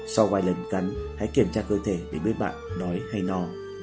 sau vài lần cắn hãy kiểm tra cơ thể để biết bạn nói hay no